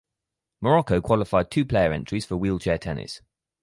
Morocco qualified two player entries for wheelchair tennis.